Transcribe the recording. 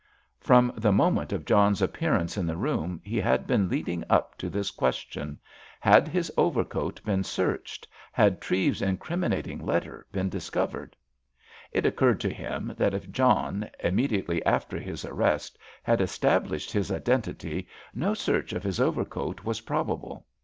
From the moment of John's appearance in the room he had been leading up to this question—had his overcoat been searched, had Treves's incriminating letter been discovered? It occurred to him that if John, immediately after his arrest, had established his identity no search of his overcoat was probable.